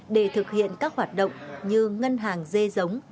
để thực hiện các hoạt động như ngân hàng dê giống